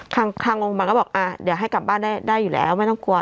ทางโรงพยาบาลก็บอกเดี๋ยวให้กลับบ้านได้อยู่แล้วไม่ต้องกลัว